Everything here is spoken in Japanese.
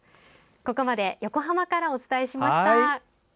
ここまで横浜からお伝えしました。